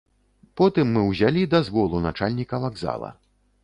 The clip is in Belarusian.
Потым мы ўзялі дазвол у начальніка вакзала.